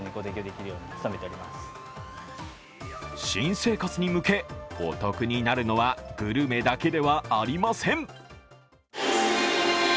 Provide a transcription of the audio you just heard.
新生活に向け、お得になるのはグルメだけではありません。